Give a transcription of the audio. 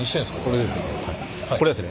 これはですね